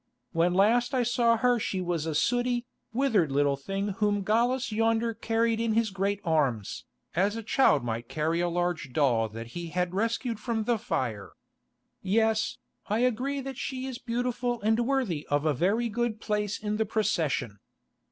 When last I saw her she was a sooty, withered little thing whom Gallus yonder carried in his great arms, as a child might carry a large doll that he had rescued from the fire. Yes, I agree that she is beautiful and worthy of a very good place in the procession.